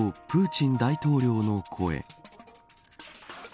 プーチン大統領の声。